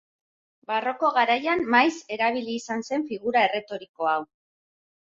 Barroko garaian maiz erabili izan zen figura erretoriko hau.